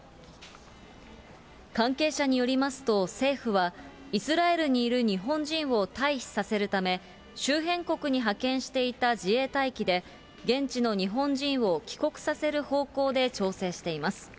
関係者によりますと、政府は、イスラエルにいる日本人を退避させるため、周辺国に派遣していた自衛隊機で、現地の日本人を帰国させる方向で調整しています。